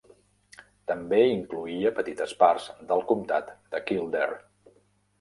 També incloïa petites parts del Comtat de Kildare.